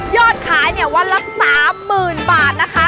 ขายเนี่ยวันละ๓๐๐๐บาทนะคะ